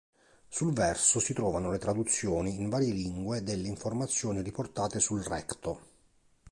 Sul verso si trovano le traduzioni in varie lingue delle informazioni riportate sul recto.